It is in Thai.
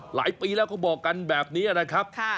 หลายปีแล้วเขาบอกกันแบบนี้นะครับ